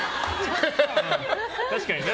確かにな。